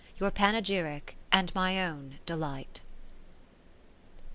Your panegyric, and my own delight.